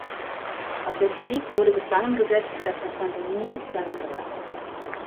Marcel Philipe wurde gefangen gesetzt, erst in Saint-Denis, dann in Grasse.